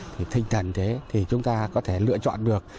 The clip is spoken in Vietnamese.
thì tinh thần thế thì chúng ta có thể lựa chọn được